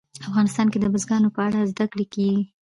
افغانستان کې د بزګان په اړه زده کړه کېږي.